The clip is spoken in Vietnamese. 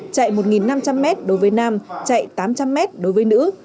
chạy một năm trăm linh m đối với nam chạy tám trăm linh m đối với nữ